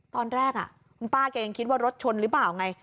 ตอนแรกคุณป้าแกยังคิดว่ารถชนหรือเปล่าไง